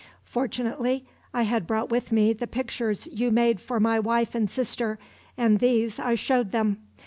Fortunately, I had brought with me the pictures you made for my wife and sister, and these I showed them.